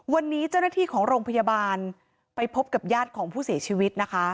วันนี้เจ้าหน้าที่ของโรงพยาบาลไปพบกับญาติของผู้เสียชีวิตนะคะ